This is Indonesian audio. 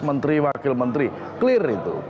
menteri wakil menteri clear itu